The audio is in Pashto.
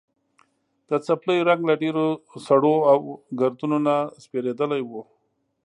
د څپلیو رنګ له ډېرو سړو او ګردونو نه سپېرېدلی و.